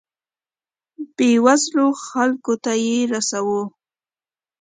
بیوزلو خلکو ته یې رسوو.